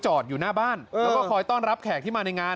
อยู่หน้าบ้านแล้วก็คอยต้อนรับแขกที่มาในงาน